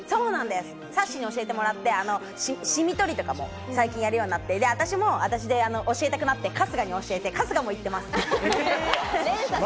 さっしーに教えてもらって、シミ取りとかも最近やるようになって、私も教えたくなって、春日も教えて、春日も行ってます。